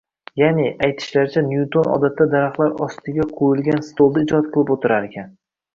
Ya`ni, aytishlaricha Nyuton odatda daraxtlar ostiga qo`yilgan stolda ijod qilib o`tirarkan